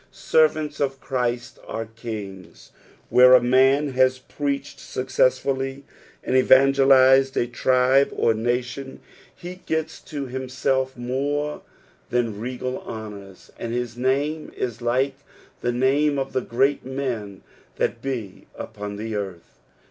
Servants of Christ are kings. Where PSALM THE POETY PIPTH. 359 a man has preached successfully, and evangelised a tribe or nation, he gets to himself more thau refral honours, and his name is like the name of thu great men that be upoa the earth.